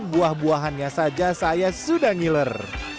dan buah buahannya saja saya sudah ngiler